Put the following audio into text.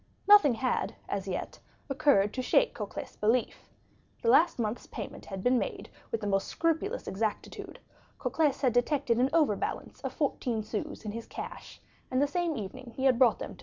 Nothing had as yet occurred to shake Cocles' belief; the last month's payment had been made with the most scrupulous exactitude; Cocles had detected an overbalance of fourteen sous in his cash, and the same evening he had brought them to M.